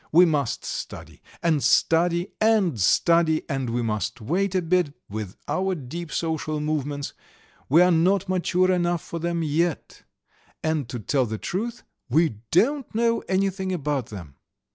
We must study, and study, and study and we must wait a bit with our deep social movements; we are not mature enough for them yet; and to tell the truth, we don't know anything about them."